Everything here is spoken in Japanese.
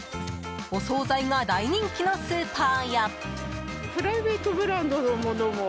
お総菜が大人気のスーパーや。